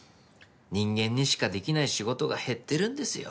人間にしかできない仕事が減ってるんですよ。